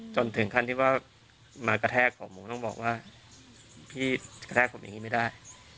จนถึงขั้นที่ว่ามากระแทกผมผมต้องบอกว่าพี่กระแทกผมอย่างนี้ไม่ได้